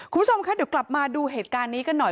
คุณผู้ชมคะเดี๋ยวกลับมาดูเหตุการณ์นี้กันหน่อย